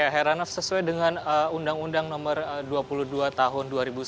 heranov sesuai dengan undang undang nomor dua puluh dua tahun dua ribu sembilan